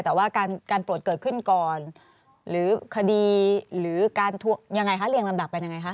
แต่ว่าการตรวจเกิดขึ้นก่อนหรือคดีหรือการยังไงคะเรียงลำดับกันยังไงคะ